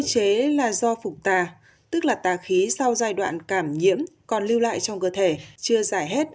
hạn chế là do phục tà tức là tà khí sau giai đoạn cảm nhiễm còn lưu lại trong cơ thể chưa giải hết